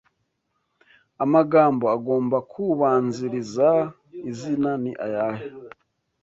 Amagambo agomba kubanziriza izina ni ayahe